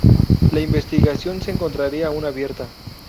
La investigación se encontraría aún abierta.